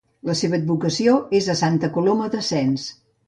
La seva advocació és a Santa Coloma de Sens.